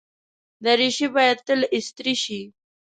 دریشي باید تل استری شي.